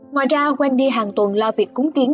ngoài ra wendy hàng tuần lo việc cúng kiến